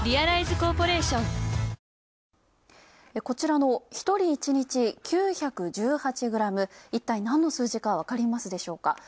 こちらの、１人１日９１８グラムいったいなんの数字かわかりますでしょうか。